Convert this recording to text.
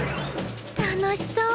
楽しそう！